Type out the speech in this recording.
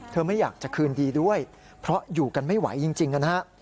ไม่อยากจะคืนดีด้วยเพราะอยู่กันไม่ไหวจริงนะฮะ